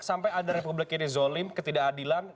sampai ada republik ini zolim ketidakadilan